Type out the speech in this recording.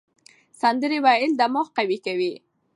سندرې ویل دماغ قوي کوي.